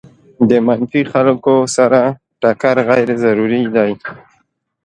د منفي خلکو سره ټکر غیر ضروري دی.